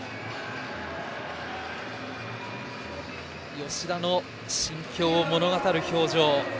吉田の心境を物語る表情。